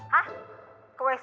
hah ke wc